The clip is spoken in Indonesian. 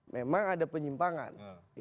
memang ada penyimpangan